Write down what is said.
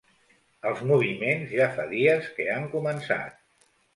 Els moviments ja fa dies que han començat.